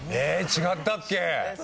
違ったっけ？